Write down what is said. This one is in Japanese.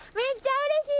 うれしい！